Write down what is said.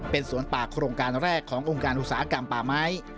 เป็นสวนป่าโครงการแรกขององค์การอุตสาหกรรมป่าไม้